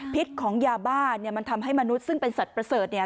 พิษของยาบ้าเนี่ยมันทำให้มนุษย์ซึ่งเป็นสัตว์ประเสริฐเนี่ย